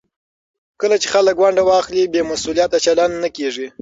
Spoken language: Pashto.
کله چې خلک ونډه واخلي، بې مسوولیته چلند نه کېږي.